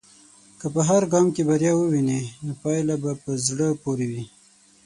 که په هر ګام کې بریا ووینې، نو پايله به په زړه پورې وي.